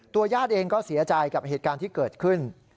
ญาติเองก็เสียใจกับเหตุการณ์ที่เกิดขึ้น